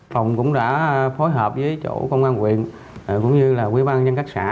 phòng cũng đã phối hợp với chủ công an quyền cũng như là quy băng nhân cắt xã